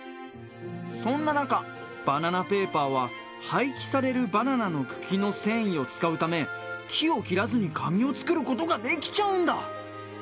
そんな中、バナナペーパーは廃棄されるバナナの茎の繊維を使うため木を切らずに紙を作ることができちゃうんだ。